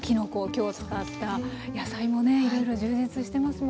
今日使った野菜もねいろいろ充実してますもんね。